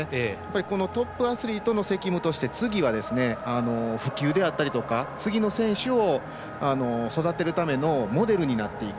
このトップアスリートの責務として、次は普及であったりとか次の選手を育てるためのモデルになっていく。